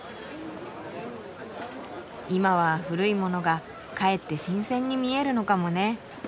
今は古いものがかえって新鮮に見えるのかもね。